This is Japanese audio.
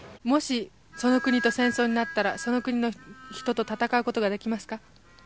もしその国と戦争になったらその国の人と戦うことができますか？